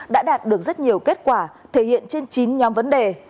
đã đạt được rất nhiều kết quả thể hiện trên chín nhóm vấn đề